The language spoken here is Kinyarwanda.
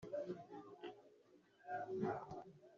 bavugaga ibintu bihwabanye nibyo bakoze